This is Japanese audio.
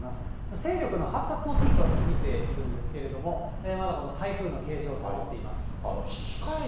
勢力の発達のピークは過ぎているんですけれども、まだこの台風の形状を保っています。